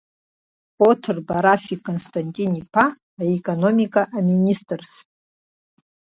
Оҭырба Рафик Константин-иԥа аекономика аминистрс…